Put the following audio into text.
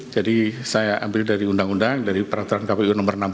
jadi saya ambil dari undang undang dari peraturan kpu no enam puluh enam